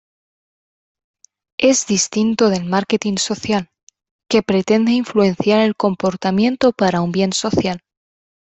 Es distinto del marketing social, que pretende influenciar el comportamiento para un bien social.